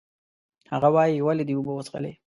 هغه وایي، ولې دې اوبه وڅښلې؟